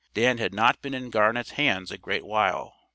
Dan had not been in Garnett's hands a great while.